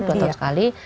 dua tahun sekali